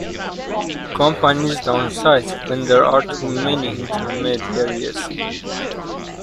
Companies downsize when there are too many intermediaries.